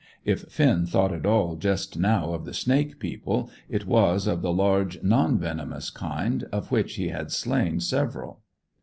(If Finn thought at all just now of the snake people, it was of the large non venomous kind, of which he had slain several.)